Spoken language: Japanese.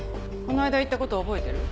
この間言ったこと覚えてる？